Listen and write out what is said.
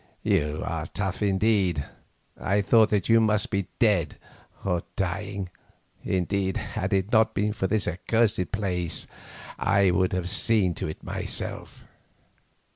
You are tough indeed; I thought that you must be dead or dying. Indeed had it not been for this accursed plague, I would have seen to it myself.